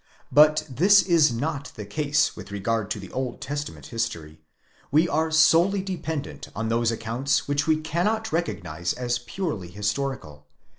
But this is not the case with regard to the Old Testament history; we are solely dependent on those accounts which we cannot recognize as purely historical.